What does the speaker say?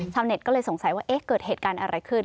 ชาวเน็ตก็เลยสงสัยว่าเอ๊ะเกิดเหตุการณ์อะไรขึ้น